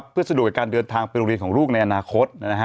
เพื่อสะดวกกับการเดินทางไปโรงเรียนของลูกในอนาคต